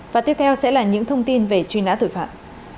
và tiếp theo sẽ là những thông tin về truy nã tội phạm